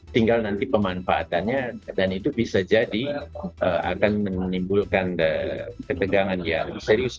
tinggal nanti pemanfaatannya dan itu bisa jadi akan menimbulkan ketegangan yang serius